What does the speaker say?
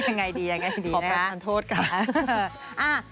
ยังไงดีนะครับครูขอประทานโทษครับ